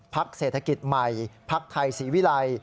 พรรคเศรษฐกิจใหม่พรรคไทยศรีวิลัย